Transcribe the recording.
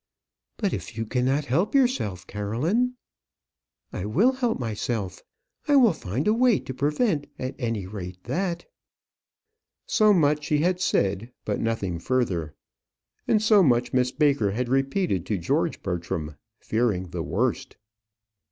"But if you cannot help yourself, Caroline?" "I will help myself. I will find a way to prevent, at any rate, that " So much she had said, but nothing further: and so much Miss Baker had repeated to George Bertram, fearing the worst.